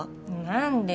何で？